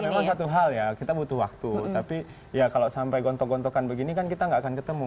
memang satu hal ya kita butuh waktu tapi ya kalau sampai gontok gontokan begini kan kita nggak akan ketemu